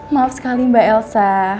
maaf sekali mbak elsa